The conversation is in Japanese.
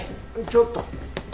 ちょっと。